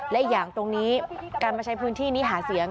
และอีกอย่างตรงนี้การมาใช้พื้นที่นี้หาเสียง